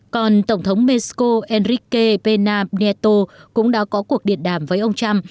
còn tổng thống mexico enrique pena neto cũng đã có cuộc điện đàm với ông trump